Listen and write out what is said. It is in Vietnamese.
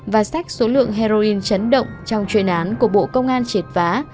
và xách số lượng heroin chấn động trong chuyện án của bộ công an triệt phá